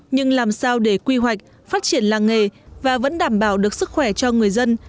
nhưng làm sao để quy hoạch phát triển làng nghề và vẫn đảm bảo được sức khỏe cho người dân